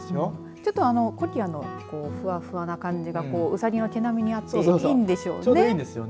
ちょっとコキアのふわふわな感じがうさぎの毛並みに合っていいんでしょうね。